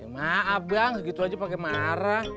maaf bang segitu aja pakai marah